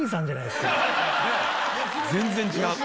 全然違う。